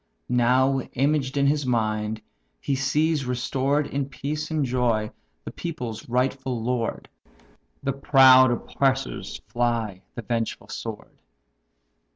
Now, imaged in his mind, he sees restored In peace and joy the people's rightful lord; The proud oppressors fly the vengeful sword.